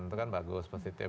itu kan bagus positif